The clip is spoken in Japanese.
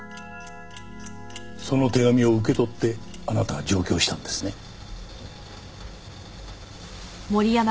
その手紙を受け取ってあなたは上京したんですね？